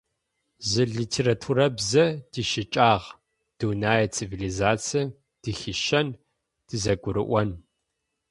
Зы литературабзэ тищыкӀагъ: дунэе цивилизацием тыхищэн; тызэгурыӏон.